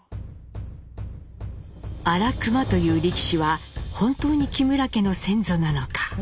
荒熊という力士は本当に木村家の先祖なのか？